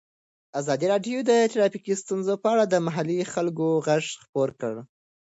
ازادي راډیو د ټرافیکي ستونزې په اړه د محلي خلکو غږ خپور کړی.